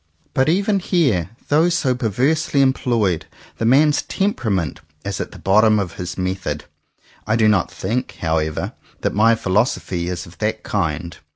But even here, though so perversely employed, the man's temperament is at the bottom of his method. I do not think, how ever, that my philosophy is of that kind.